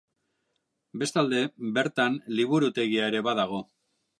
Bestalde, bertan liburutegia ere badago.